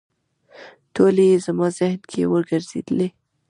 ټولې یې زما ذهن کې وګرځېدلې.